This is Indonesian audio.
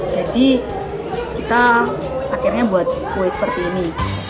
jadi kita akhirnya buat kue seperti ini